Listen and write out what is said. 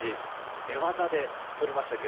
寝技で取りました。